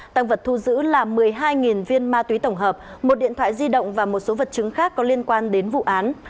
tăng vật thu giữ là một mươi hai viên ma túy tổng hợp một điện thoại di động và một số vật chứng khác có liên quan đến vụ án